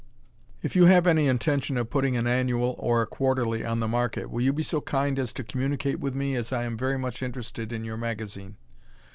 If you have any intention of putting an annual or a quarterly on the market, will you be so kind as to communicate with me as I am very much interested in your magazine.